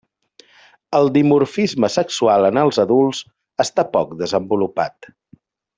El dimorfisme sexual en els adults està poc desenvolupat.